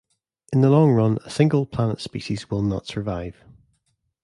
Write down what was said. In the long run a single-planet species will not survive...